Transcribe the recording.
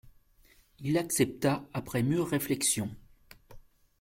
Il accepta, après mûre réflexion.